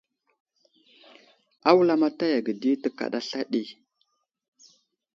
A wulamataya ge di tekaɗa sla ɗi.